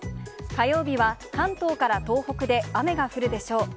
火曜日は関東から東北で雨が降るでしょう。